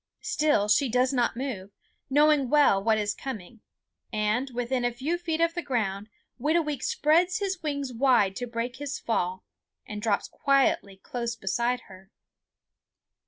Still she does not move, knowing well what is coming, and when within a few feet of the ground Whitooweek spreads his wings wide to break his fall and drops quietly close beside her.